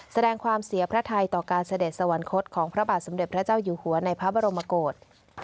แสดงความเสียพระไทยต่อการเสด็จสวรรคตของพระบาทสมเด็จพระเจ้าอยู่หัวในพระบรมกฏ